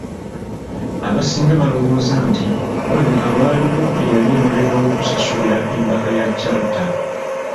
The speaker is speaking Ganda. Abasinga balowooza nti walabika waaliwo eyali emabega w’okusasulira embaga ya Chalter.